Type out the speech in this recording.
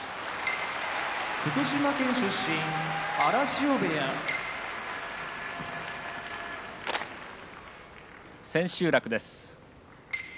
福島県出身荒汐部屋千秋楽です。